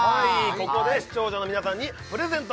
ここで視聴者の皆さんにプレゼント